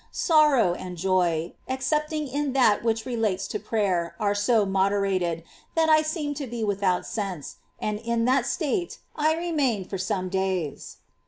Sorrow and joy, excepting in that which relates to prayer, are so moderated, that I seem to be without sense, and in that state I remain for some days.